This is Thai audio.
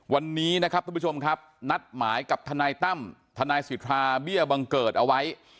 วันนี้นะครับทุกผู้ชมครับนัดหมายกับทนายตั้มทนายสิทธาเบี้ยบังเกิดเอาไว้